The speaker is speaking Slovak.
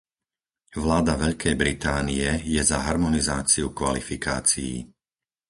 Vláda Veľkej Británie je za harmonizáciu kvalifikácií.